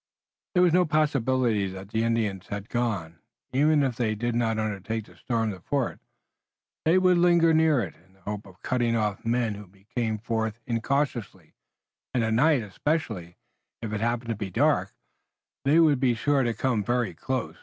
There was no possibility that the Indians had gone. Even if they did not undertake to storm the fort they would linger near it, in the hope of cutting off men who came forth incautiously, and at night, especially if it happened to be dark, they would be sure to come very close.